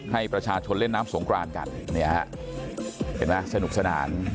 ให้ประชาชนเล่นน้ำสงครานกันเห็นมั้ยสนุกสนาน